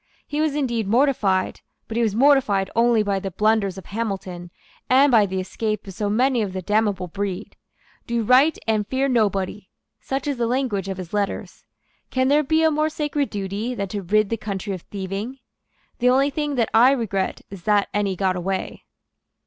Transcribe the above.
He was indeed mortified; but he was mortified only by the blunders of Hamilton and by the escape of so many of the damnable breed. "Do right, and fear nobody;" such is the language of his letters. "Can there be a more sacred duty than to rid the country of thieving? The only thing that I regret is that any got away."